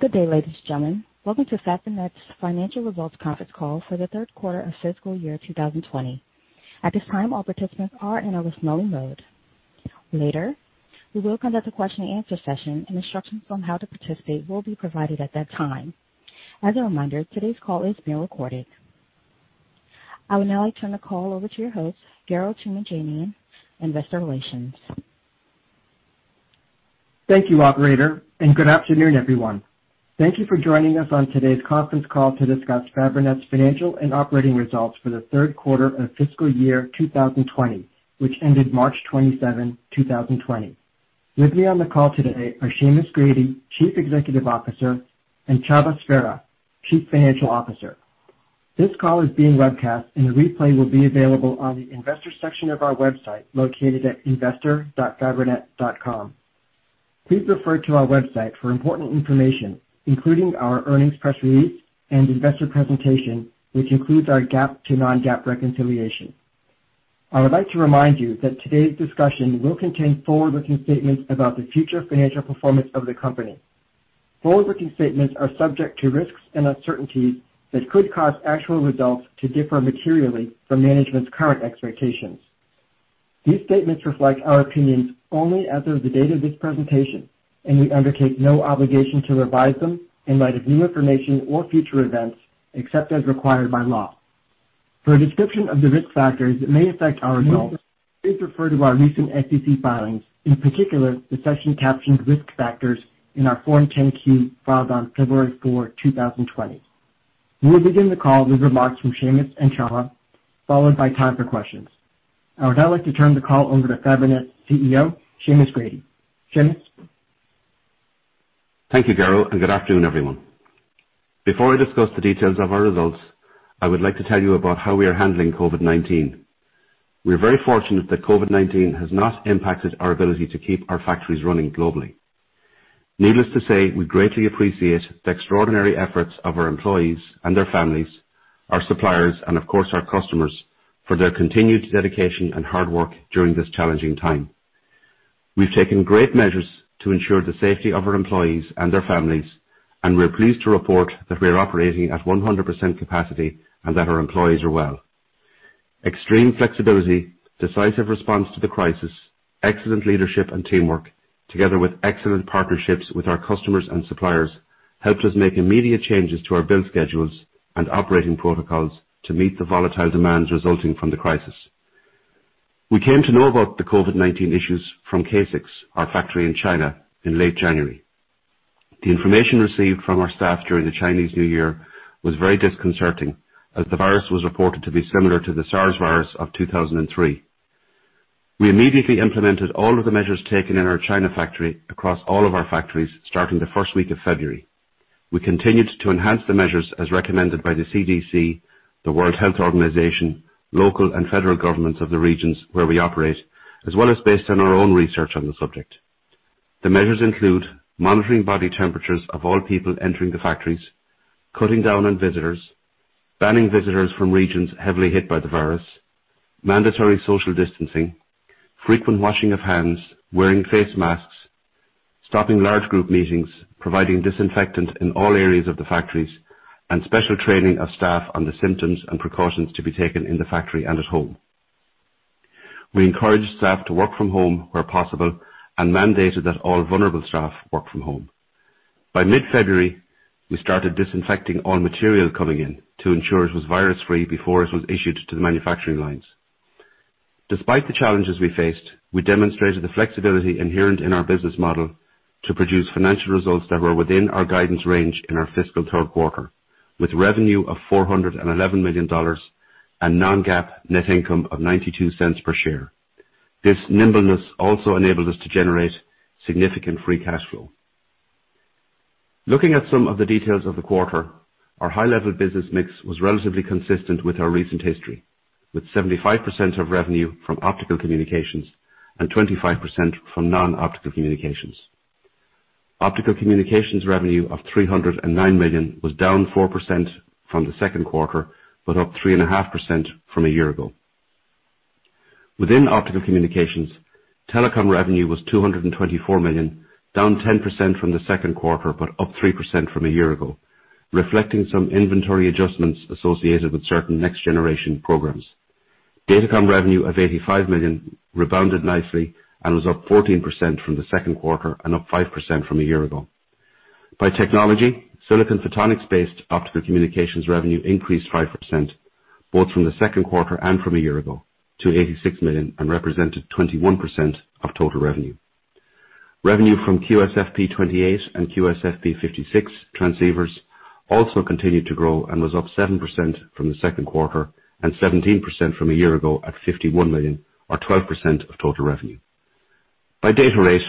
Good day, ladies and gentlemen. Welcome to Fabrinet's financial results conference call for the third quarter of fiscal year 2020. I would now like to turn the call over to your host, Garo Toomajanian, Investor Relations. Thank you, operator. Good afternoon, everyone. Thank you for joining us on today's conference call to discuss Fabrinet's financial and operating results for the third quarter of fiscal year 2020, which ended March 27, 2020. With me on the call today are Seamus Grady, Chief Executive Officer, and Csaba Sverha, Chief Financial Officer. This call is being webcast. A replay will be available on the investors section of our website, located at investor.fabrinet.com. Please refer to our website for important information, including our earnings press release and investor presentation, which includes our GAAP to non-GAAP reconciliation. I would like to remind you that today's discussion will contain forward-looking statements about the future financial performance of the company. Forward-looking statements are subject to risks and uncertainties that could cause actual results to differ materially from management's current expectations. These statements reflect our opinions only as of the date of this presentation, and we undertake no obligation to revise them in light of new information or future events, except as required by law. For a description of the risk factors that may affect our results, please refer to our recent SEC filings, in particular, the section captioned risk factors in our Form 10-Q filed on February fourth, 2020. We will begin the call with remarks from Seamus and Csaba, followed by time for questions. I would now like to turn the call over to Fabrinet CEO, Seamus Grady. Seamus? Thank you, Garo, and good afternoon, everyone. Before I discuss the details of our results, I would like to tell you about how we are handling COVID-19. We're very fortunate that COVID-19 has not impacted our ability to keep our factories running globally. Needless to say, we greatly appreciate the extraordinary efforts of our employees and their families, our suppliers, and of course, our customers for their continued dedication and hard work during this challenging time. We've taken great measures to ensure the safety of our employees and their families, and we're pleased to report that we are operating at 100% capacity and that our employees are well. Extreme flexibility, decisive response to the crisis, excellent leadership and teamwork, together with excellent partnerships with our customers and suppliers, helped us make immediate changes to our build schedules and operating protocols to meet the volatile demands resulting from the crisis. We came to know about the COVID-19 issues from CASIX, our factory in China, in late January. The information received from our staff during the Chinese New Year was very disconcerting, as the virus was reported to be similar to the SARS virus of 2003. We immediately implemented all of the measures taken in our China factory across all of our factories, starting the first week of February. We continued to enhance the measures as recommended by the CDC, the World Health Organization, local and federal governments of the regions where we operate, as well as based on our own research on the subject. The measures include monitoring body temperatures of all people entering the factories, cutting down on visitors, banning visitors from regions heavily hit by the virus, mandatory social distancing, frequent washing of hands, wearing face masks, stopping large group meetings, providing disinfectant in all areas of the factories, and special training of staff on the symptoms and precautions to be taken in the factory and at home. We encouraged staff to work from home where possible and mandated that all vulnerable staff work from home. By mid-February, we started disinfecting all material coming in to ensure it was virus-free before it was issued to the manufacturing lines. Despite the challenges we faced, we demonstrated the flexibility inherent in our business model to produce financial results that were within our guidance range in our fiscal third quarter, with revenue of $411 million and non-GAAP net income of $0.92 per share. This nimbleness also enabled us to generate significant free cash flow. Looking at some of the details of the quarter, our high-level business mix was relatively consistent with our recent history, with 75% of revenue from optical communications and 25% from non-optical communications. Optical communications revenue of $309 million was down 4% from the second quarter, but up 3.5% from a year-ago. Within optical communications, telecom revenue was $224 million, down 10% from the second quarter, but up 3% from a year-ago, reflecting some inventory adjustments associated with certain next-generation programs. Datacom revenue of $85 million rebounded nicely and was up 14% from the second quarter and up 5% from a year ago. By technology, silicon photonics-based optical communications revenue increased 5%, both from the second quarter and from a year ago to $86 million and represented 21% of total revenue. Revenue from QSFP28 and QSFP56 transceivers also continued to grow and was up 7% from the second quarter and 17% from a year ago at $51 million or 12% of total revenue. By data rate,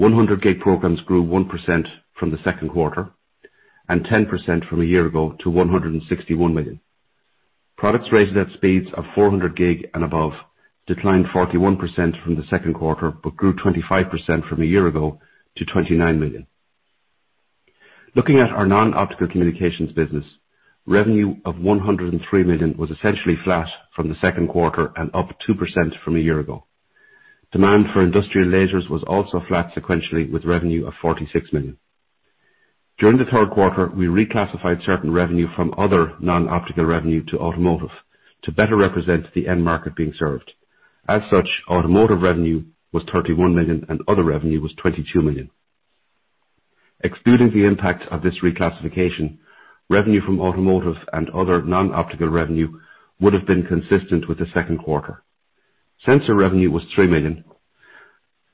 100-gig programs grew 1% from the second quarter and 10% from a year ago to $161 million. Products raised at speeds of 400-gig and above declined 41% from the second quarter, but grew 25% from a year ago to $29 million. Looking at our non-optical communications business, revenue of $103 million was essentially flat from the second quarter and up 2% from a year ago. Demand for industrial lasers was also flat sequentially with revenue of $46 million. During the third quarter, we reclassified certain revenue from other non-optical revenue to automotive to better represent the end market being served. As such, automotive revenue was $31 million, and other revenue was $22 million. Excluding the impact of this reclassification, revenue from automotive and other non-optical revenue would've been consistent with the second quarter. Sensor revenue was $3 million.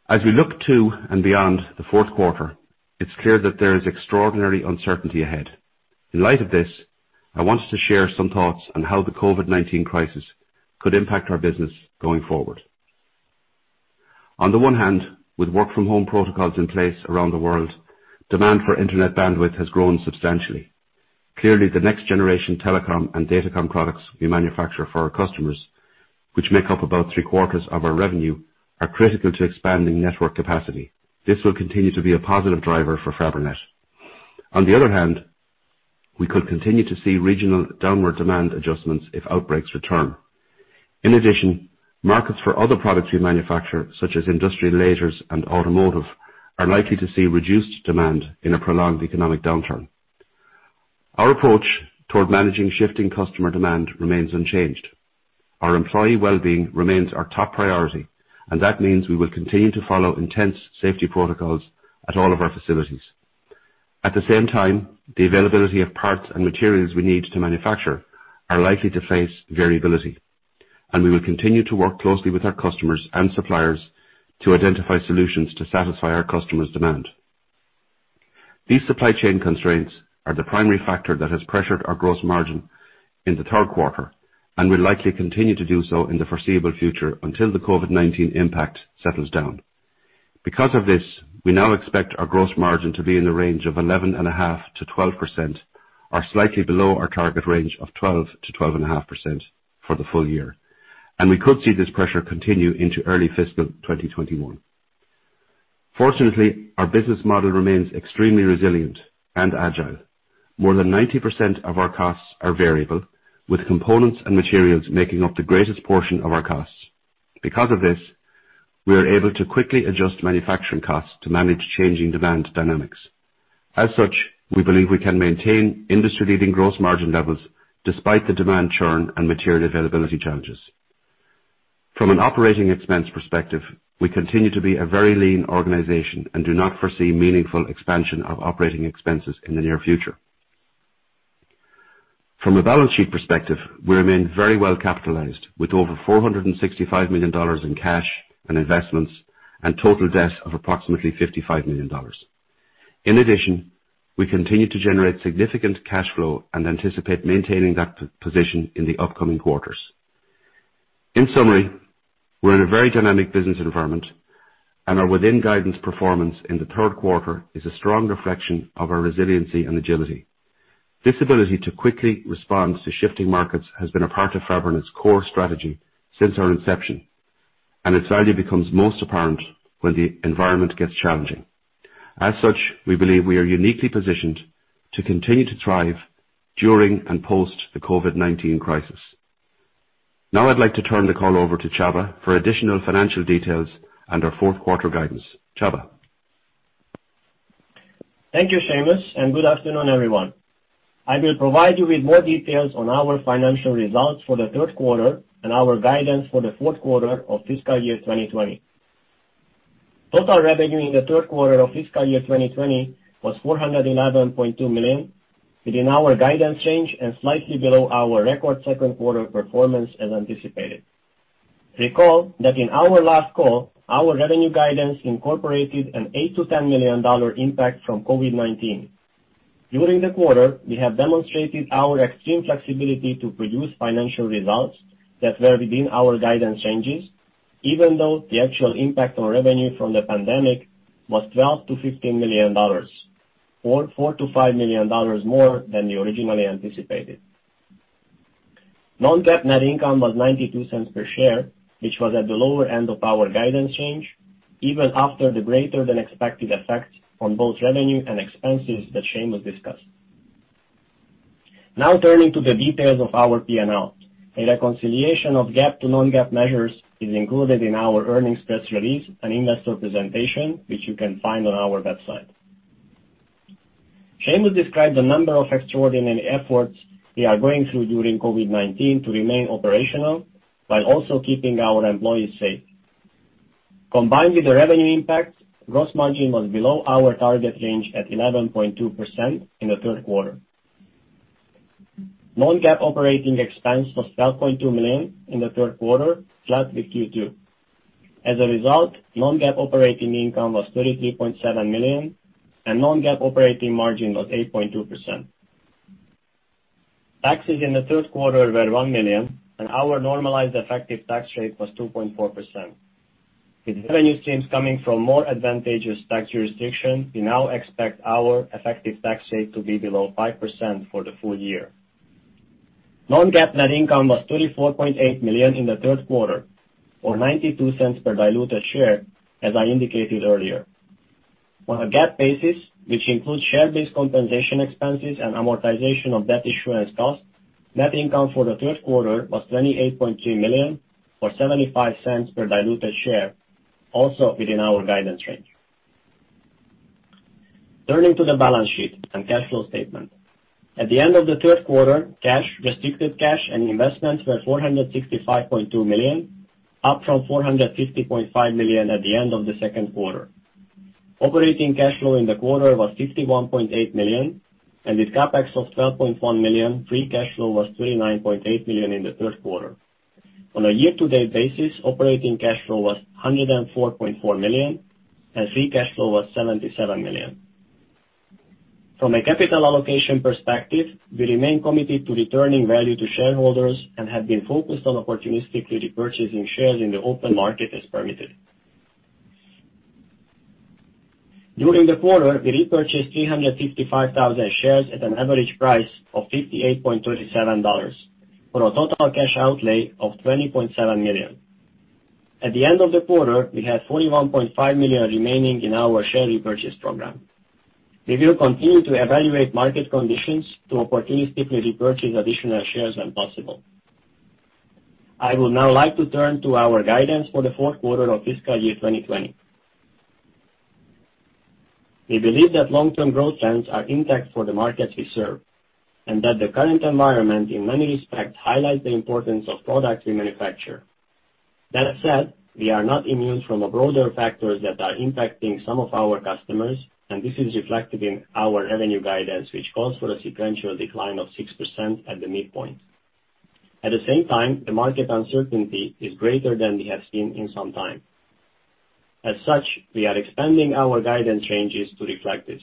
As we look to and beyond the fourth quarter, it's clear that there is extraordinary uncertainty ahead. In light of this, I wanted to share some thoughts on how the COVID-19 crisis could impact our business going forward. On the one hand, with work from home protocols in place around the world, demand for internet bandwidth has grown substantially. Clearly, the next generation telecom and Datacom products we manufacture for our customers, which make up about three quarters of our revenue, are critical to expanding network capacity. This will continue to be a positive driver for Fabrinet. On the other hand, we could continue to see regional downward demand adjustments if outbreaks return. In addition, markets for other products we manufacture, such as Industrial Laser and Automotive, are likely to see reduced demand in a prolonged economic downturn. Our approach toward managing shifting customer demand remains unchanged. Our employee well-being remains our top priority, and that means we will continue to follow intense safety protocols at all of our facilities. At the same time, the availability of parts and materials we need to manufacture are likely to face variability. We will continue to work closely with our customers and suppliers to identify solutions to satisfy our customers' demand. These supply chain constraints are the primary factor that has pressured our gross margin in the third quarter and will likely continue to do so in the foreseeable future until the COVID-19 impact settles down. Because of this, we now expect our gross margin to be in the range of 11.5%-12%, or slightly below our target range of 12%-12.5% for the full year. We could see this pressure continue into early fiscal 2021. Fortunately, our business model remains extremely resilient and agile. More than 90% of our costs are variable, with components and materials making up the greatest portion of our costs. Because of this, we are able to quickly adjust manufacturing costs to manage changing demand dynamics. As such, we believe we can maintain industry-leading gross margin levels despite the demand churn and material availability challenges. From an operating expense perspective, we continue to be a very lean organization and do not foresee meaningful expansion of operating expenses in the near future. From a balance sheet perspective, we remain very well capitalized with over $465 million in cash and investments and total debts of approximately $55 million. In addition, we continue to generate significant cash flow and anticipate maintaining that position in the upcoming quarters. In summary, we're in a very dynamic business environment, and our within guidance performance in the third quarter is a strong reflection of our resiliency and agility. This ability to quickly respond to shifting markets has been a part of Fabrinet's core strategy since our inception, and its value becomes most apparent when the environment gets challenging. As such, we believe we are uniquely positioned to continue to thrive during and post the COVID-19 crisis. Now I'd like to turn the call over to Csaba for additional financial details and our fourth quarter guidance. Csaba? Thank you, Seamus, and good afternoon, everyone. I will provide you with more details on our financial results for the third quarter and our guidance for the fourth quarter of fiscal year 2020. Total revenue in the third quarter of fiscal year 2020 was $411.2 million, within our guidance change and slightly below our record second quarter performance as anticipated. Recall that in our last call, our revenue guidance incorporated an $8 million-$10 million impact from COVID-19. During the quarter, we have demonstrated our extreme flexibility to produce financial results that were within our guidance changes, even though the actual impact on revenue from the pandemic was $12 million-$15 million, or $4 million-$5 million more than we originally anticipated. Non-GAAP net income was $0.92 per share, which was at the lower end of our guidance change, even after the greater than expected effect on both revenue and expenses that Seamus discussed. Turning to the details of our P&L. A reconciliation of GAAP to non-GAAP measures is included in our earnings press release and investor presentation, which you can find on our website. Seamus described the number of extraordinary efforts we are going through during COVID-19 to remain operational while also keeping our employees safe. Combined with the revenue impact, gross margin was below our target range at 11.2% in the third quarter. Non-GAAP operating expense was $12.2 million in the third quarter, flat with Q2. As a result, non-GAAP operating income was $33.7 million, and non-GAAP operating margin was 8.2%. Taxes in the third quarter were $1 million, and our normalized effective tax rate was 2.4%. With revenue streams coming from more advantageous tax jurisdiction, we now expect our effective tax rate to be below 5% for the full year. Non-GAAP net income was $34.8 million in the third quarter, or $0.92 per diluted share, as I indicated earlier. On a GAAP basis, which includes share-based compensation expenses and amortization of debt issuance costs, net income for the third quarter was $28.3 million, or $0.75 per diluted share, also within our guidance range. Turning to the balance sheet and cash flow statement. At the end of the third quarter, cash, restricted cash and investments were $465.2 million, up from $450.5 million at the end of the second quarter. Operating cash flow in the quarter was $51.8 million, and with CapEx of $12.1 million, free cash flow was $39.8 million in the third quarter. On a year-to-date basis, operating cash flow was $104.4 million, and free cash flow was $77 million. From a capital allocation perspective, we remain committed to returning value to shareholders and have been focused on opportunistically repurchasing shares in the open market as permitted. During the quarter, we repurchased 355,000 shares at an average price of $58.37, for a total cash outlay of $20.7 million. At the end of the quarter, we had $41.5 million remaining in our share repurchase program. We will continue to evaluate market conditions to opportunistically repurchase additional shares when possible. I would now like to turn to our guidance for the fourth quarter of fiscal year 2020. We believe that long-term growth trends are intact for the markets we serve, and that the current environment, in many respects, highlights the importance of products we manufacture. That said, we are not immune from the broader factors that are impacting some of our customers. This is reflected in our revenue guidance, which calls for a sequential decline of 6% at the midpoint. At the same time, the market uncertainty is greater than we have seen in some time. As such, we are expanding our guidance changes to reflect this.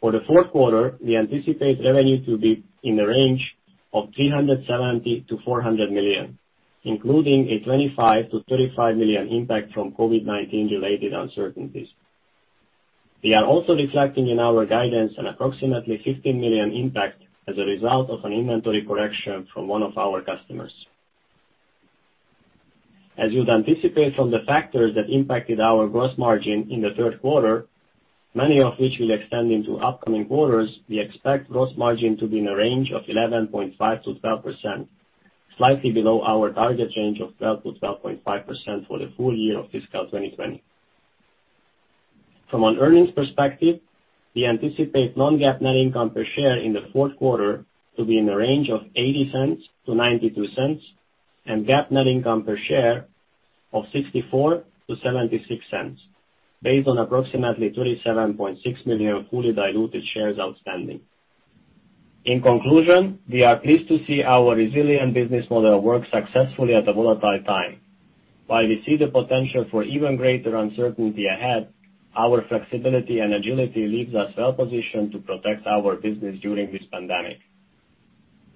For the fourth quarter, we anticipate revenue to be in the range of $370 million-$400 million, including a $25 million-$35 million impact from COVID-19 related uncertainties. We are also reflecting in our guidance an approximately $15 million impact as a result of an inventory correction from one of our customers. As you'd anticipate from the factors that impacted our gross margin in the third quarter, many of which will extend into upcoming quarters, we expect gross margin to be in the range of 11.5%-12%, slightly below our target range of 12%-12.5% for the full year of fiscal 2020. From an earnings perspective, we anticipate non-GAAP net income per share in the fourth quarter to be in the range of $0.80-$0.92, and GAAP net income per share of $0.64-$0.76, based on approximately 37.6 million fully diluted shares outstanding. In conclusion, we are pleased to see our resilient business model work successfully at a volatile time. While we see the potential for even greater uncertainty ahead, our flexibility and agility leaves us well-positioned to protect our business during this pandemic.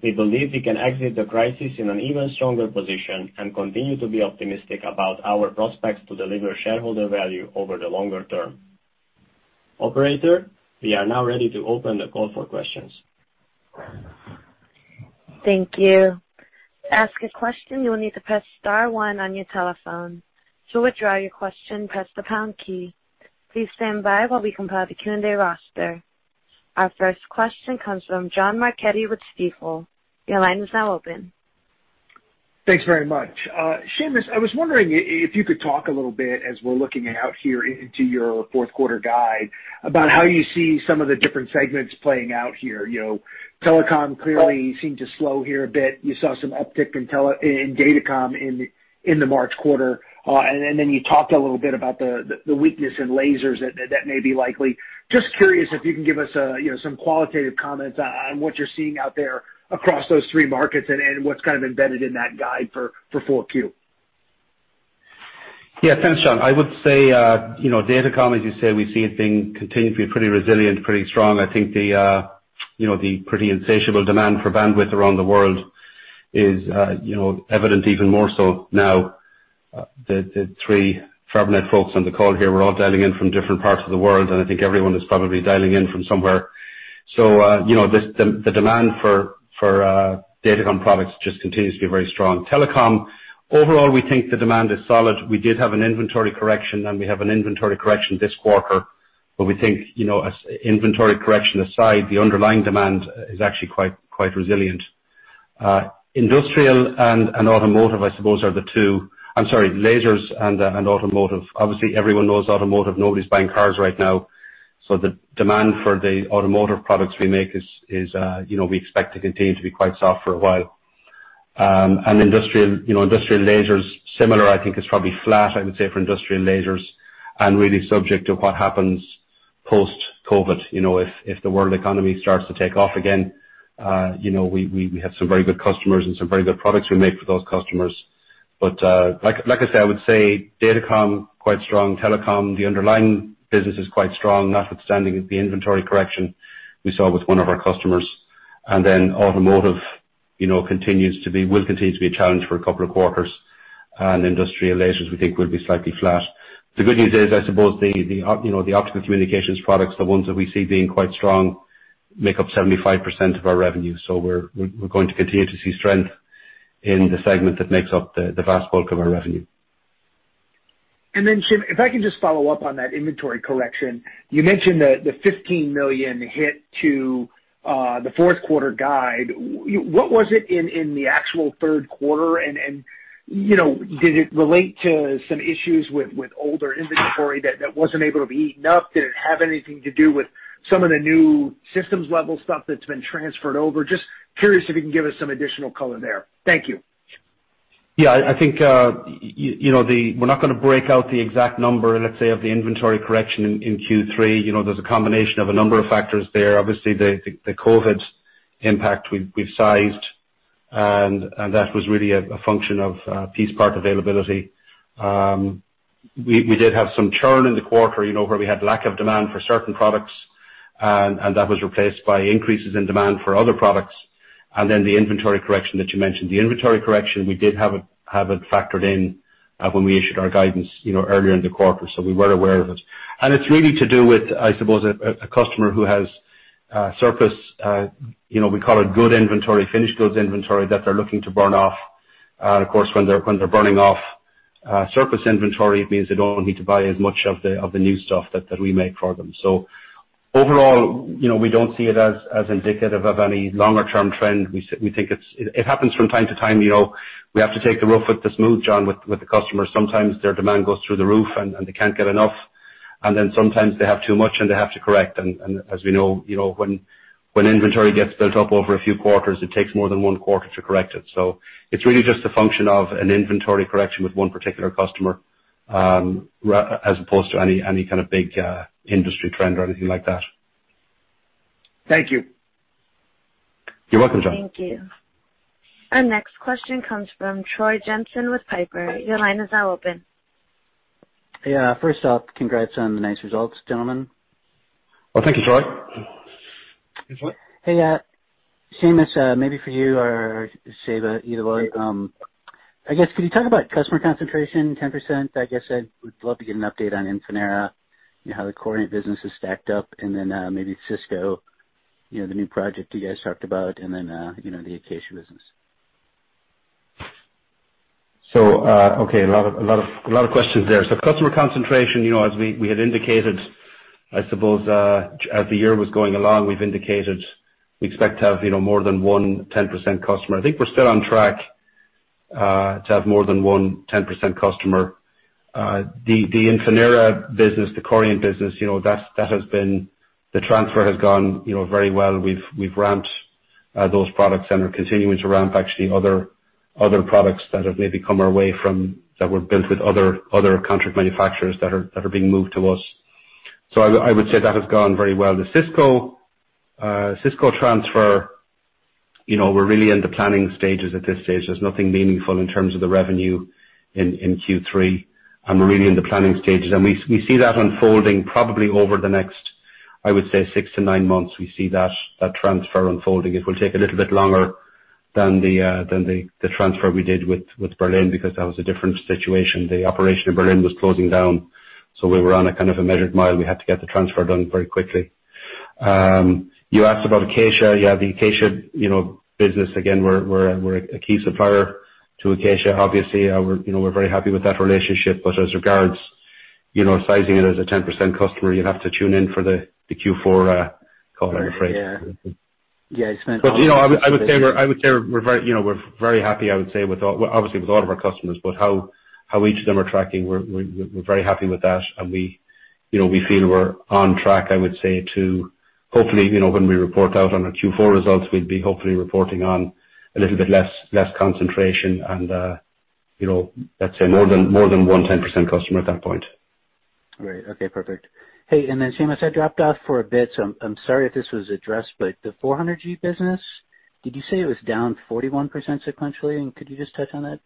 We believe we can exit the crisis in an even stronger position and continue to be optimistic about our prospects to deliver shareholder value over the longer term. Operator, we are now ready to open the call for questions. Thank you. Our first question comes from John Marchetti with Stifel. Your line is now open. Thanks very much. Seamus, I was wondering if you could talk a little bit as we're looking out here into your fourth quarter guide, about how you see some of the different segments playing out here. Telecom clearly seemed to slow here a bit. You saw some uptick in Datacom in the March quarter. You talked a little bit about the weakness in lasers that may be likely. Just curious if you can give us some qualitative comments on what you're seeing out there across those three markets and what's kind of embedded in that guide for 4Q. Thanks, John. I would say Datacom, as you say, we see it being continually pretty resilient, pretty strong. I think the pretty insatiable demand for bandwidth around the world is evident even more so now. The three Fabrinet folks on the call here, we're all dialing in from different parts of the world, and I think everyone is probably dialing in from somewhere. The demand for Datacom products just continues to be very strong. Telecom, overall, we think the demand is solid. We did have an inventory correction, and we have an inventory correction this quarter. We think, inventory correction aside, the underlying demand is actually quite resilient. Industrial and Automotive, I suppose, I'm sorry, lasers and Automotive. Obviously, everyone knows Automotive. Nobody's buying cars right now. The demand for the Automotive products we make we expect to continue to be quite soft for a while. Industrial Lasers, similar, I think it's probably flat, I would say, for Industrial Lasers, and really subject to what happens post-COVID. If the world economy starts to take off again, we have some very good customers and some very good products we make for those customers. Like I said, I would say Datacom, quite strong. Telecom, the underlying business is quite strong, notwithstanding the inventory correction we saw with one of our customers. Automotive will continue to be a challenge for a couple of quarters. Industrial Lasers, we think, will be slightly flat. The good news is, I suppose the optical communications products, the ones that we see being quite strong, make up 75% of our revenue. We're going to continue to see strength. In the segment that makes up the vast bulk of our revenue. Seamus, if I can just follow up on that inventory correction. You mentioned the $15 million hit to the fourth quarter guide. What was it in the actual third quarter? Did it relate to some issues with older inventory that wasn't able to be eaten up? Did it have anything to do with some of the new systems level stuff that's been transferred over? Just curious if you can give us some additional color there. Thank you. Yeah, I think we're not going to break out the exact number, let's say, of the inventory correction in Q3. There's a combination of a number of factors there. Obviously, the COVID-19 impact we've sized, and that was really a function of piece part availability. We did have some churn in the quarter, where we had lack of demand for certain products, and that was replaced by increases in demand for other products, and then the inventory correction that you mentioned. The inventory correction, we did have it factored in when we issued our guidance earlier in the quarter. We were aware of it. It's really to do with, I suppose, a customer who has surplus, we call it good inventory, finished goods inventory that they're looking to burn off. Of course, when they're burning off surplus inventory, it means they don't need to buy as much of the new stuff that we make for them. Overall, we don't see it as indicative of any longer-term trend. It happens from time to time. We have to take the rough with the smooth, John, with the customers. Sometimes their demand goes through the roof, and they can't get enough, and then sometimes they have too much, and they have to correct. As we know, when inventory gets built up over a few quarters, it takes more than one quarter to correct it. It's really just a function of an inventory correction with one particular customer, as opposed to any kind of big industry trend or anything like that. Thank you. You're welcome, John. Thank you. Our next question comes from Troy Jensen with Piper. Your line is now open. Yeah. First off, congrats on the nice results, gentlemen. Well, thank you, Troy. Thanks, Troy. Hey, Seamus maybe for you or Csaba, either way. I guess could you talk about customer concentration, 10%? I guess I would love to get an update on Infinera, how the Coriant business is stacked up, and then maybe Cisco, the new project you guys talked about, and then the Acacia business. Okay, a lot of questions there. Customer concentration, as we had indicated, I suppose, as the year was going along, we've indicated we expect to have more than one 10% customer. I think we're still on track to have more than one 10% customer. The Infinera business, the Coriant business, the transfer has gone very well. We've ramped those products and are continuing to ramp actually other products that have maybe come our way that were built with other contract manufacturers that are being moved to us. I would say that has gone very well. The Cisco transfer, we're really in the planning stages at this stage. There's nothing meaningful in terms of the revenue in Q3, and we're really in the planning stages. We see that unfolding probably over the next, I would say, six to nine months. We see that transfer unfolding. It will take a little bit longer than the transfer we did with Berlin because that was a different situation. The operation in Berlin was closing down. We were on a kind of a measured mile. We had to get the transfer done very quickly. You asked about Acacia. The Acacia business, again, we're a key supplier to Acacia. Obviously, we're very happy with that relationship. As regards sizing it as a 10% customer, you'd have to tune in for the Q4 call, I'm afraid. Yeah. I would say we're very happy, I would say, obviously, with a lot of our customers, but how each of them are tracking, we're very happy with that and we feel we're on track, I would say, to hopefully when we report out on our Q4 results, we'd be hopefully reporting on a little bit less concentration and let's say more than one 10% customer at that point. Great. Okay, perfect. Hey, then Seamus, I dropped off for a bit, so I'm sorry if this was addressed, the 400-gig business, did you say it was down 41% sequentially? Could you just touch on that?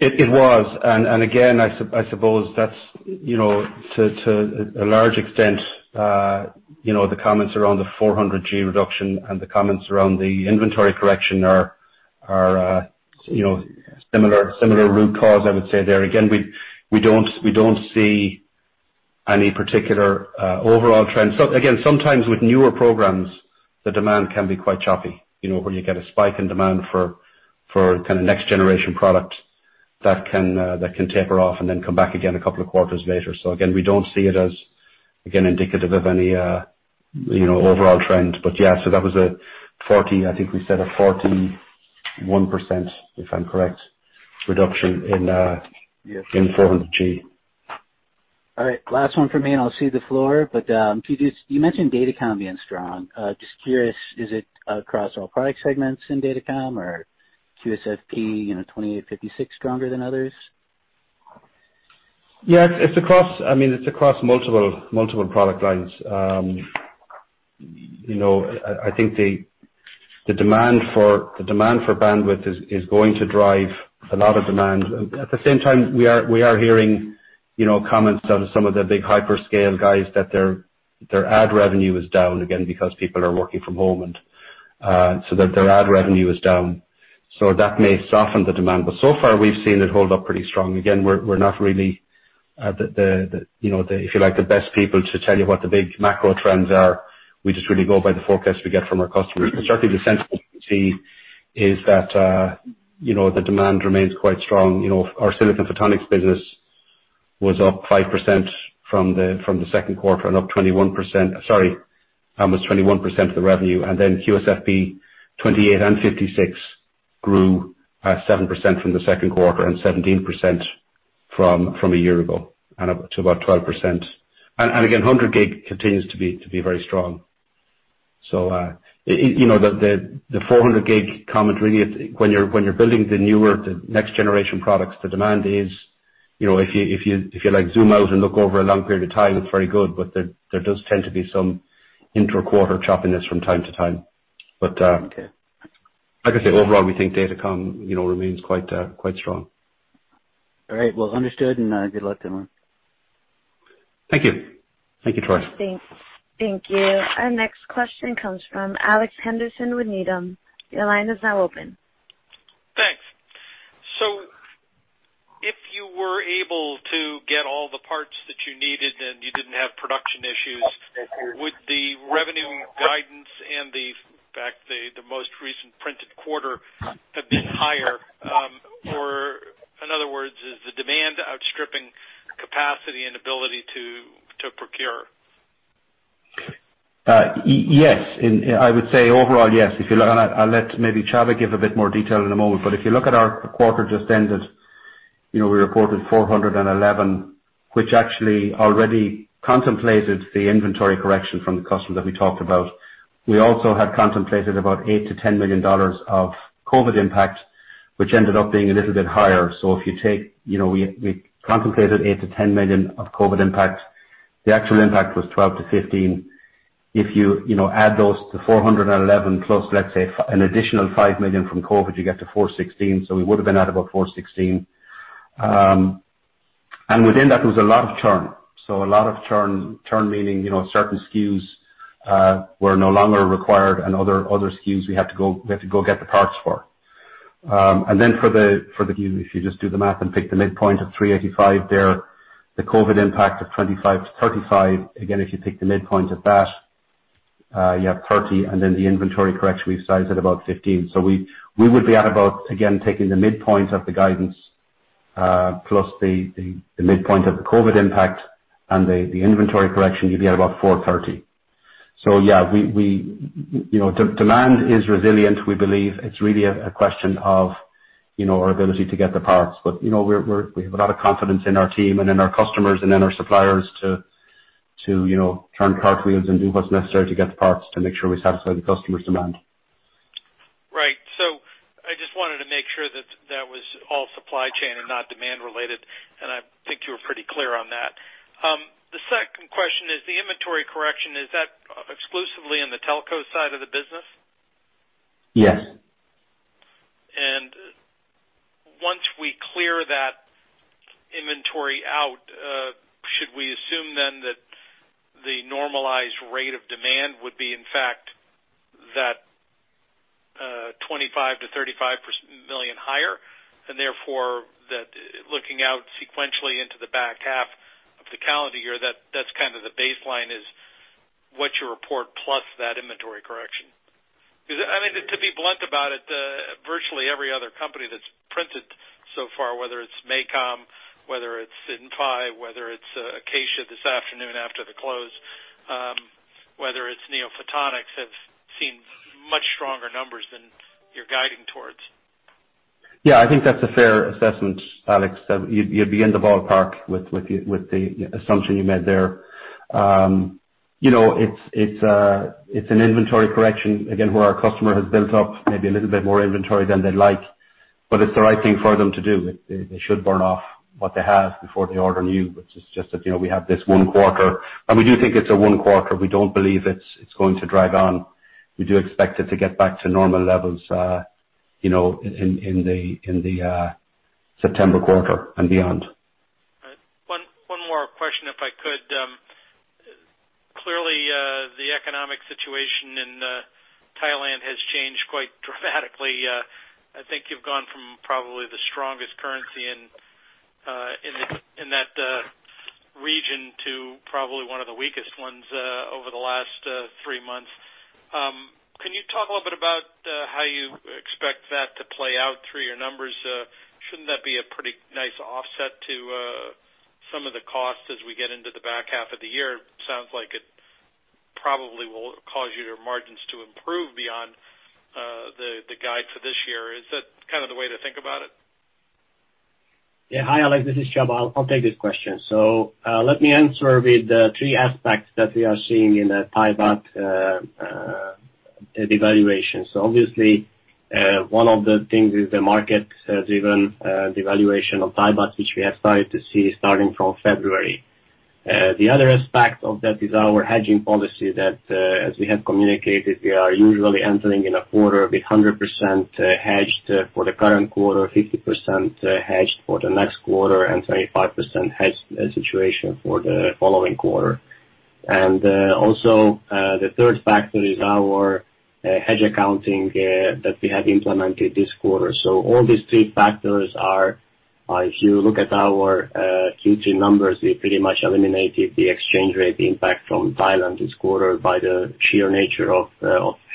It was, and again, I suppose that's to a large extent the comments around the 400-gig reduction and the comments around the inventory correction are similar root cause I would say there. Again, we don't see any particular overall trend. Again, sometimes with newer programs, the demand can be quite choppy, where you get a spike in demand for next generation product that can taper off and then come back again a couple of quarters later. Again, we don't see it as, again, indicative of any overall trend. Yeah, that was a 40, I think we said a 41%, if I'm correct, reduction in 400-gig. All right. Last one for me. I'll cede the floor. You mentioned Datacom being strong. Just curious, is it across all product segments in Datacom, or QSFP, you know, QSFP28, QSFP56 stronger than others? Yeah, it's across multiple product lines. I think the demand for bandwidth is going to drive a lot of demand. At the same time, we are hearing comments out of some of the big hyperscale guys that their ad revenue is down again because people are working from home, and so their ad revenue is down. That may soften the demand. So far, we've seen it hold up pretty strong. Again, we're not really If you like the best people to tell you what the big macro trends are, we just really go by the forecast we get from our customers. Certainly the sense we see is that the demand remains quite strong. Our silicon photonics business was up 5% from the second quarter and up 21%, sorry, almost 21% of the revenue. QSFP28 and QSFP56 grew at 7% from the second quarter and 17% from a year ago and up to about 12%. Again, 100-gig continues to be very strong. The 400-gig commentary, when you're building the newer, the next generation products, the demand is, if you zoom out and look over a long period of time, it's very good. There does tend to be some inter-quarter choppiness from time to time. Okay. Like I say, overall, we think Datacom remains quite strong. All right. Well, understood, and good luck, Seamus. Thank you. Thank you, Troy. Thanks. Thank you. Our next question comes from Alex Henderson with Needham. Your line is now open. Thanks. If you were able to get all the parts that you needed and you didn't have production issues, would the revenue guidance and the fact the most recent printed quarter have been higher? In other words, is the demand outstripping capacity and ability to procure? Yes. I would say overall, yes. I'll let maybe Csaba give a bit more detail in a moment, if you look at our quarter just ended, we reported $411, which actually already contemplated the inventory correction from the customer that we talked about. We also had contemplated about $8 million-$10 million of COVID impact, which ended up being a little bit higher. If you take, we contemplated $8 million-$10 million of COVID impact. The actual impact was $12 million-$15 million. If you add those to $411+, let's say, an additional $5 million from COVID, you get to $416. We would have been at about $416. Within that, there was a lot of churn. A lot of churn, meaning certain SKUs were no longer required and other SKUs we have to go get the parts for. Then for the SKU, if you just do the math and pick the midpoint of 385 there, the COVID impact of 25-35, again, if you pick the midpoint of that, you have 30, the inventory correction we've sized at about 15. We would be at about, again, taking the midpoint of the guidance, plus the midpoint of the COVID impact and the inventory correction, you'd be at about 430. Yeah, demand is resilient, we believe. It's really a question of our ability to get the parts. We have a lot of confidence in our team and in our customers and in our suppliers to turn cartwheels and do what's necessary to get the parts to make sure we satisfy the customer's demand. Right. I just wanted to make sure that that was all supply chain and not demand related, and I think you were pretty clear on that. The second question is the inventory correction, is that exclusively in the telco side of the business? Yes. Once we clear that inventory out, should we assume then that the normalized rate of demand would be, in fact, that $25 million-$35 million higher, and therefore that looking out sequentially into the back half of the calendar year, that's kind of the baseline is what you report plus that inventory correction? To be blunt about it, virtually every other company that's printed so far, whether it's MACOM, whether it's Inphi, whether it's Acacia this afternoon after the close, whether it's NeoPhotonics, have seen much stronger numbers than you're guiding towards. Yeah, I think that's a fair assessment, Alex. You'd be in the ballpark with the assumption you made there. It's an inventory correction, again, where our customer has built up maybe a little bit more inventory than they'd like, but it's the right thing for them to do. They should burn off what they have before they order new, but it's just that we have this one quarter, and we do think it's a one quarter. We don't believe it's going to drag on. We do expect it to get back to normal levels in the September quarter and beyond. All right. One more question if I could. Clearly, the economic situation in Thailand has changed quite dramatically. I think you've gone from probably the strongest currency in that region to probably one of the weakest ones over the last three months. Can you talk a little bit about how you expect that to play out through your numbers? Shouldn't that be a pretty nice offset to some of the costs as we get into the back half of the year? Sounds like it probably will cause your margins to improve beyond the guide for this year. Is that kind of the way to think about it? Hi, Alex. This is Csaba. I'll take this question. Let me answer with the three aspects that we are seeing in the Thai baht devaluation. Obviously, one of the things is the market has driven devaluation of Thai bahts, which we have started to see starting from February. The other aspect of that is our hedging policy that as we have communicated, we are usually entering in a quarter with 100% hedged for the current quarter, 50% hedged for the next quarter, and 25% hedged situation for the following quarter. Also, the third factor is our hedge accounting that we have implemented this quarter. All these three factors are, if you look at our Q2 numbers, we pretty much eliminated the exchange rate impact from Thailand this quarter by the sheer nature of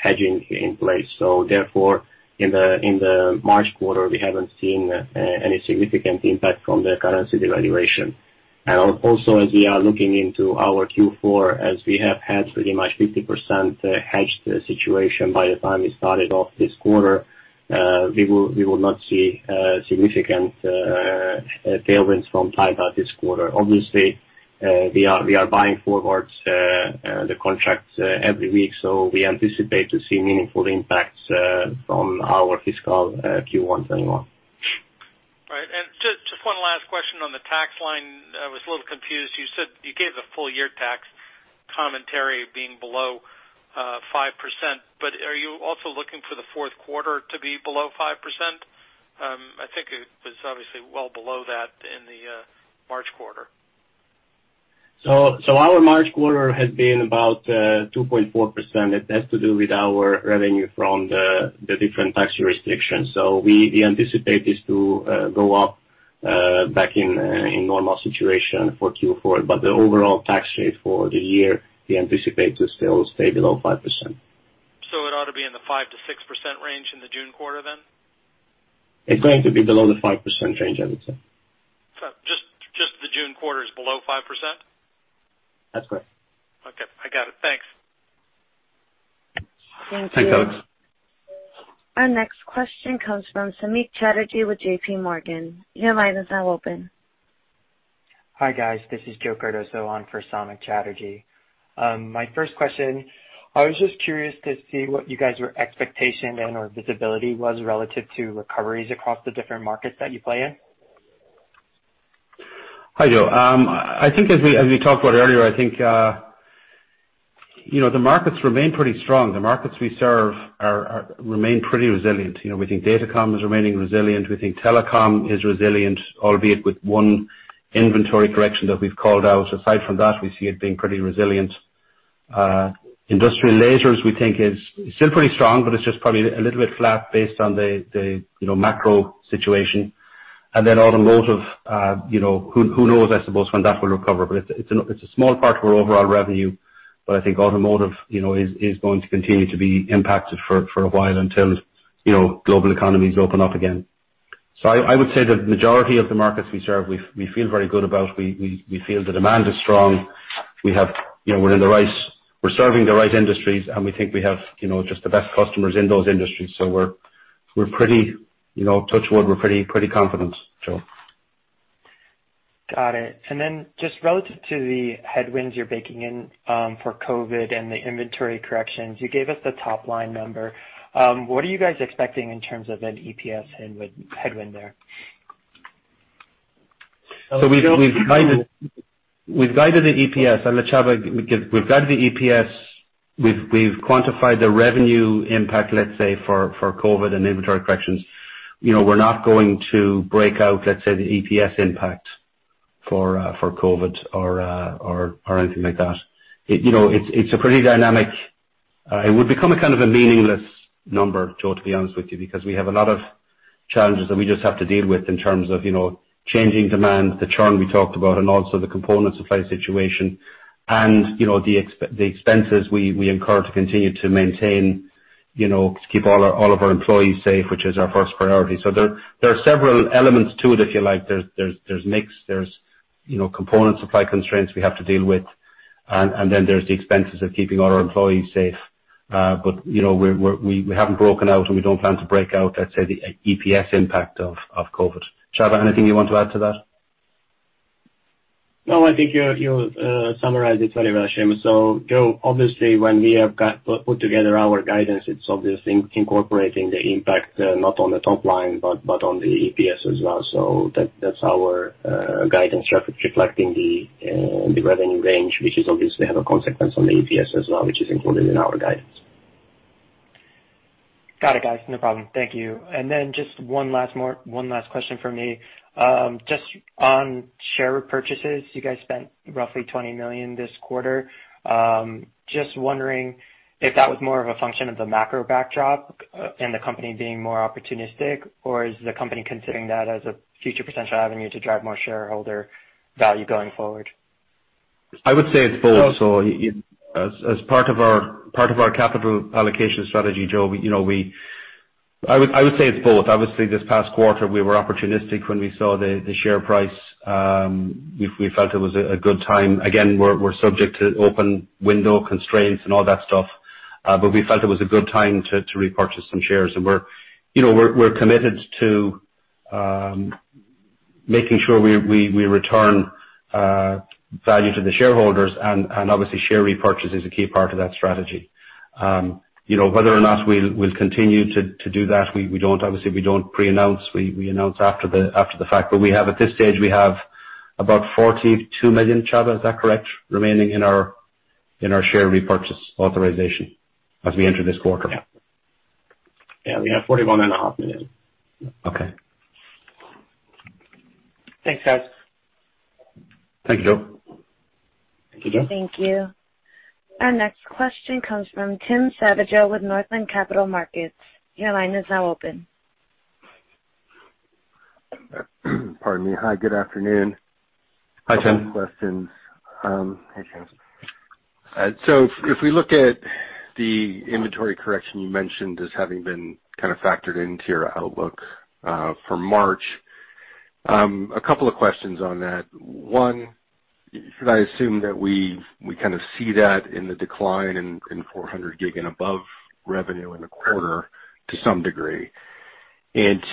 hedging in place. Therefore, in the March quarter, we haven't seen any significant impact from the currency devaluation. Also, as we are looking into our Q4, as we have had pretty much 50% hedged situation by the time we started off this quarter, we will not see significant tailwinds from Thailand this quarter. Obviously, we are buying forwards the contracts every week. We anticipate to see meaningful impacts from our fiscal Q1 2021. Right. Just one last question on the tax line. I was a little confused. You gave the full year tax commentary being below 5%, but are you also looking for the fourth quarter to be below 5%? I think it was obviously well below that in the March quarter. Our March quarter has been about 2.4%. It has to do with our revenue from the different tax jurisdictions. We anticipate this to go up back in normal situation for Q4. The overall tax rate for the year, we anticipate to still stay below 5%. It ought to be in the 5%-6% range in the June quarter then? It's going to be below the 5% range, I would say. Just the June quarter is below 5%? That's correct. Okay, I got it. Thanks. Thank you. Thanks, Alex. Our next question comes from Samik Chatterjee with JPMorgan. Your line is now open. Hi, guys. This is Joe Cardoso on for Samik Chatterjee. My first question, I was just curious to see what you guys' expectation and/or visibility was relative to recoveries across the different markets that you play in. Hi, Joe. I think as we talked about earlier, I think the markets remain pretty strong. The markets we serve remain pretty resilient. We think Datacom is remaining resilient. We think Telecom is resilient, albeit with one inventory correction that we've called out. Aside from that, we see it being pretty resilient. Industrial lasers we think is still pretty strong, but it's just probably a little bit flat based on the macro situation. Automotive, who knows, I suppose, when that will recover, but it's a small part of our overall revenue. I think Automotive is going to continue to be impacted for a while until global economies open up again. I would say the majority of the markets we serve, we feel very good about. We feel the demand is strong. We're serving the right industries, and we think we have just the best customers in those industries. We're pretty, touch wood, we're pretty confident, Joe. Got it. Just relative to the headwinds you're baking in for COVID and the inventory corrections, you gave us the top-line number. What are you guys expecting in terms of an EPS headwind there? We've guided the EPS. We've guided the EPS. We've quantified the revenue impact, let's say, for COVID and inventory corrections. We're not going to break out, let's say, the EPS impact for COVID or anything like that. It's pretty dynamic. It would become a kind of a meaningless number, Joe, to be honest with you, because we have a lot of challenges that we just have to deal with in terms of changing demand, the churn we talked about, and also the component supply situation. The expenses we incur to continue to maintain to keep all of our employees safe, which is our first priority. There are several elements to it, if you like. There's mix, there's component supply constraints we have to deal with. There's the expenses of keeping all our employees safe. We haven't broken out and we don't plan to break out, let's say, the EPS impact of COVID. Csaba, anything you want to add to that? I think you summarized it very well, Seamus. Joe, obviously, when we have put together our guidance, it's obviously incorporating the impact, not on the top line, but on the EPS as well. That's our guidance, reflecting the revenue range, which obviously has a consequence on the EPS as well, which is included in our guidance. Got it, guys. No problem. Thank you. Just one last question from me. Just on share repurchases, you guys spent roughly $20 million this quarter. Just wondering if that was more of a function of the macro backdrop and the company being more opportunistic, or is the company considering that as a future potential avenue to drive more shareholder value going forward? I would say it's both. As part of our capital allocation strategy, Joe, I would say it's both. Obviously, this past quarter, we were opportunistic when we saw the share price. We felt it was a good time. Again, we're subject to open window constraints and all that stuff. We felt it was a good time to repurchase some shares. We're committed to making sure we return value to the shareholders, and obviously share repurchase is a key part of that strategy. Whether or not we'll continue to do that, obviously we don't pre-announce. We announce after the fact. At this stage, we have about $42 million, Csaba, is that correct, remaining in our share repurchase authorization as we enter this quarter. Yeah. We have $41.5 million. Okay. Thanks, guys. Thank you, Joe. Thank you, Joe. Thank you. Our next question comes from Tim Savageaux with Northland Capital Markets. Your line is now open. Pardon me. Hi, good afternoon. Hi, Tim. Couple of questions. If we look at the inventory correction you mentioned as having been kind of factored into your outlook for March, a couple of questions on that. One, should I assume that we kind of see that in the decline in 400-gig and above revenue in the quarter to some degree?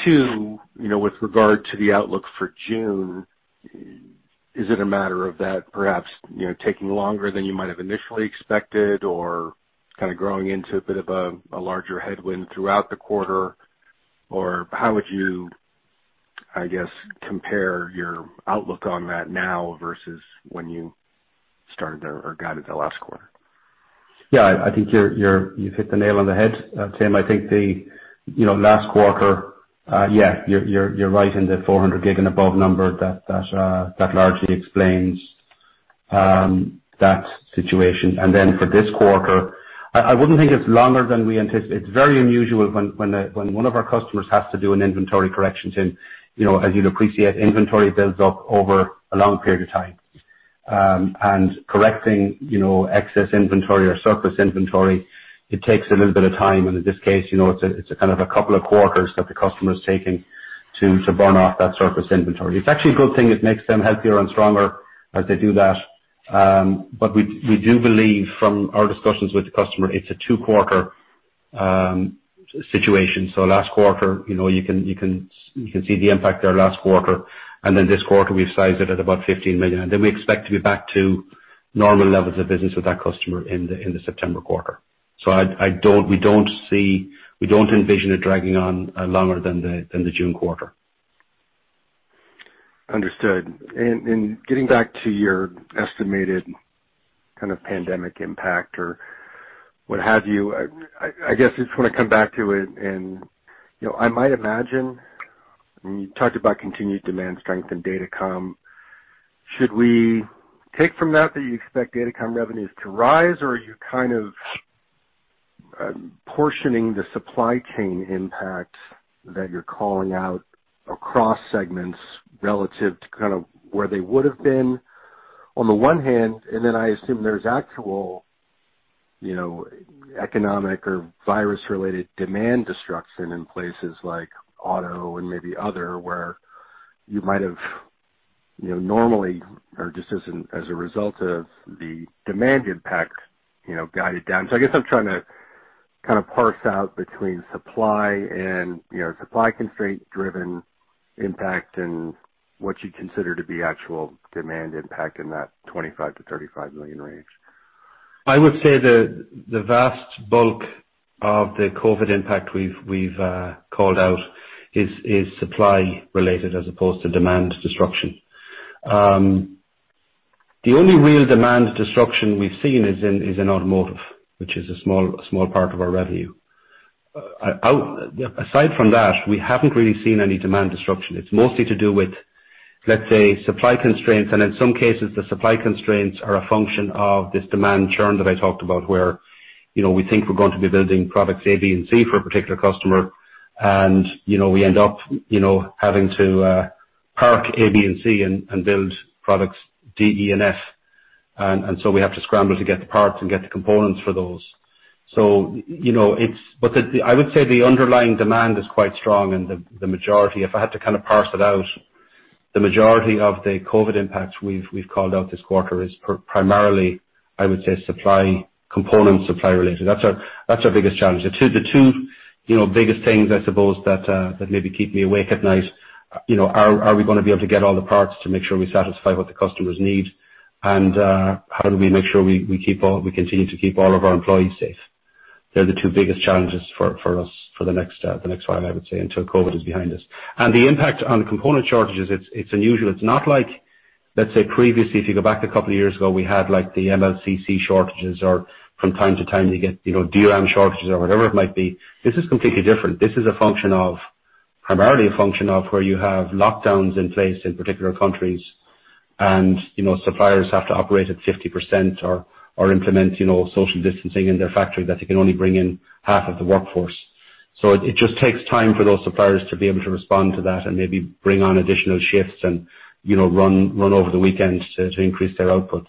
Two, with regard to the outlook for June, is it a matter of that perhaps taking longer than you might have initially expected or kind of growing into a bit of a larger headwind throughout the quarter? How would you, I guess, compare your outlook on that now versus when you started or guided the last quarter? Yeah, I think you've hit the nail on the head, Tim. I think the last quarter, yeah, you're right in the 400-gig and above number that largely explains that situation. For this quarter, I wouldn't think it's longer than we anticipate. It's very unusual when one of our customers has to do an inventory correction, Tim. As you'll appreciate, inventory builds up over a long period of time. Correcting excess inventory or surplus inventory, it takes a little bit of time. In this case, it's a kind of a couple of quarters that the customer's taking to burn off that surplus inventory. It's actually a good thing. It makes them healthier and stronger as they do that. We do believe from our discussions with the customer, it's a two-quarter situation. Last quarter, you can see the impact there last quarter. This quarter we've sized it at about $15 million. We expect to be back to normal levels of business with that customer in the September quarter. We don't envision it dragging on longer than the June quarter. Understood. Getting back to your estimated kind of pandemic impact or what have you, I guess I just want to come back to it and, I might imagine, when you talked about continued demand strength in Datacom, should we take from that you expect Datacom revenues to rise? Are you kind of portioning the supply chain impact that you're calling out across segments relative to kind of where they would've been on the one hand, and then I assume there's actual economic or virus-related demand destruction in places like auto and maybe other, where you might have normally or just as a result of the demand impact, guided down. I guess I'm trying to kind of parse out between supply constraint driven impact and what you consider to be actual demand impact in that $25 million-$35 million range. I would say the vast bulk of the COVID impact we've called out is supply related as opposed to demand destruction. The only real demand destruction we've seen is in Automotive, which is a small part of our revenue. Aside from that, we haven't really seen any demand destruction. It's mostly to do with, let's say, supply constraints, and in some cases, the supply constraints are a function of this demand churn that I talked about where we think we're going to be building products A, B, and C for a particular customer, and we end up having to park A, B, and C and build products D, E, and F. We have to scramble to get the parts and get the components for those. I would say the underlying demand is quite strong. If I had to kind of parse it out, the majority of the COVID impacts we've called out this quarter is primarily, I would say, supply component, supply related. That's our biggest challenge. The two biggest things, I suppose, that maybe keep me awake at night, are we going to be able to get all the parts to make sure we satisfy what the customers need? How do we make sure we continue to keep all of our employees safe? They're the two biggest challenges for us for the next while, I would say, until COVID is behind us. The impact on component shortages, it's unusual. It's not like, let's say previously, if you go back a couple of years ago, we had the MLCC shortages, or from time to time you get DRAM shortages or whatever it might be. This is completely different. This is primarily a function of where you have lockdowns in place in particular countries, Suppliers have to operate at 50% or implement social distancing in their factory that they can only bring in half of the workforce. It just takes time for those suppliers to be able to respond to that and maybe bring on additional shifts and run over the weekends to increase their output.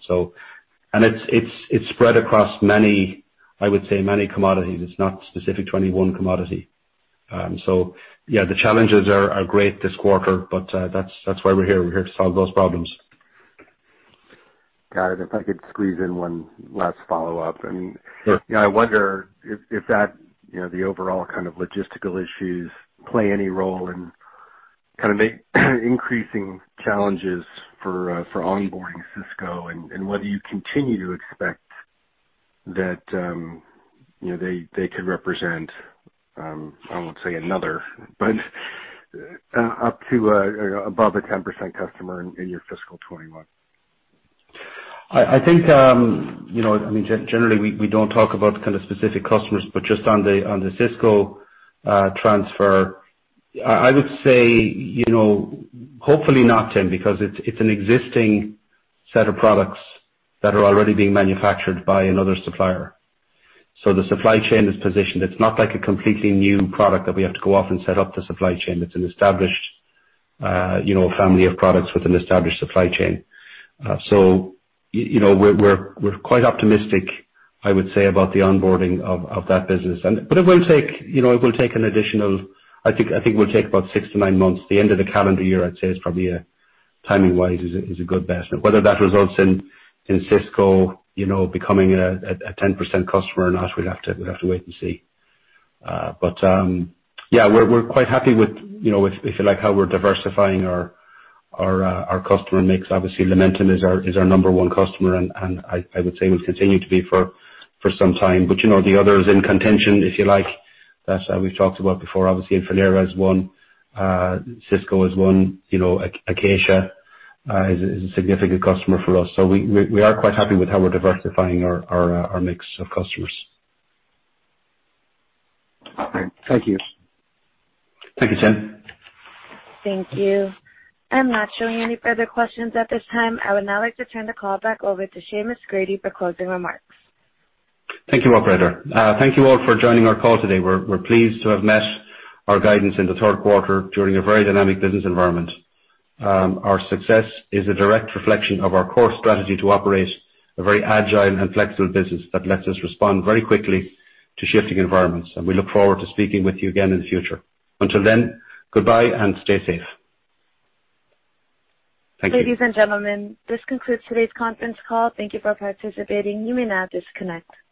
It's spread across many, I would say, many commodities. It's not specific to any one commodity. Yeah, the challenges are great this quarter, but that's why we're here. We're here to solve those problems. Got it. If I could squeeze in one last follow-up. Sure. I wonder if the overall kind of logistical issues play any role in kind of the increasing challenges for onboarding Cisco and whether you continue to expect that they could represent, I won't say another, but up to above a 10% customer in your fiscal 2021? I think, generally, we don't talk about kind of specific customers, but just on the Cisco transfer, I would say, hopefully not, Tim, because it's an existing set of products that are already being manufactured by another supplier. The supply chain is positioned. It's not like a completely new product that we have to go off and set up the supply chain. It's an established family of products with an established supply chain. We're quite optimistic, I would say, about the onboarding of that business. It will take an additional, I think it will take about six to nine months. The end of the calendar year, I'd say, is probably, timing-wise, is a good bet. Whether that results in Cisco becoming a 10% customer or not, we'd have to wait and see. Yeah, we're quite happy with, if you like, how we're diversifying our customer mix. Obviously, Lumentum is our number one customer, and I would say will continue to be for some time. The others in contention, if you like, that we've talked about before, obviously, Infinera is one, Cisco is one, Acacia is a significant customer for us. We are quite happy with how we're diversifying our mix of customers. Okay. Thank you. Thank you, Tim. Thank you. I'm not showing any further questions at this time. I would now like to turn the call back over to Seamus Grady for closing remarks. Thank you, operator. Thank you all for joining our call today. We're pleased to have met our guidance in the third quarter during a very dynamic business environment. Our success is a direct reflection of our core strategy to operate a very agile and flexible business that lets us respond very quickly to shifting environments. We look forward to speaking with you again in the future. Until then, goodbye and stay safe. Thank you. Ladies and gentlemen, this concludes today's conference call. Thank you for participating. You may now disconnect.